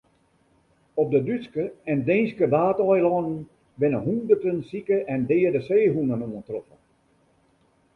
Op de Dútske en Deenske Waadeilannen binne hûnderten sike en deade seehûnen oantroffen.